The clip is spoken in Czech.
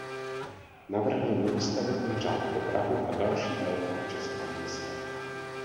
Navrhl nový stavební řád pro Prahu a další velká česká města.